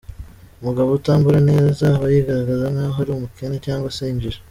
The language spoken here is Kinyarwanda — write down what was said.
Umugabo utambara neza, aba yigaragaza nkaho ari umukene cyangwa se injiji.